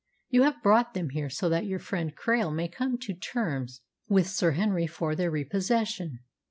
You have brought them here so that your friend Krail may come to terms with Sir Henry for their repossession.